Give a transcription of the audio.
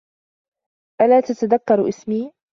ألا تتذكر إسمي؟